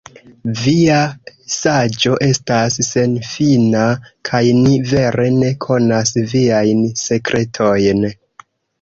Via saĝo estas senfina, kaj ni vere ne konas Viajn sekretojn!